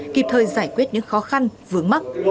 kịp thời giải quyết những khó khăn vướng mắc